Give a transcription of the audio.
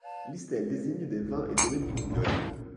Listel désigne des vins et domaines viticoles.